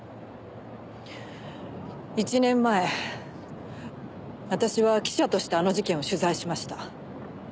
１年前私は記者としてあの事件を取材しました。